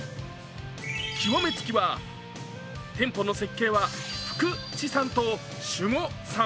極めつけは店舗の設計は福地さんと守護さん。